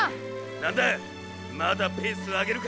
なんだ⁉まだペース上げるか？